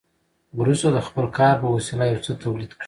وروسته د خپل کار په وسیله یو څه تولید کړي